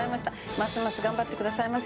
ますます頑張ってくださいませ。